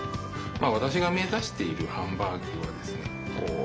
私が目指しているハンバーグはですね